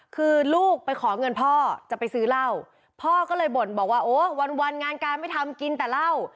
คือลูกไปขอเงินพ่อจะไปซื้อเหล้าพ่อก็เลยบ่นบอกว่าโอ้วันวันงานการไม่ทำกินแต่เหล้า